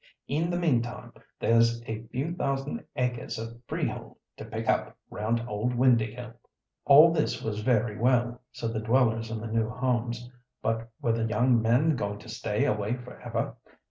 "In the meantime, there's a few thousand acres of freehold to pick up round old Windāhgil." "All this was very well," said the dwellers in the old homes; "but were the young men going to stay away for ever?